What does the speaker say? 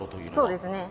そうですね。